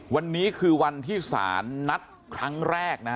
วันนี้คือวันที่สารนัดครั้งแรกนะฮะ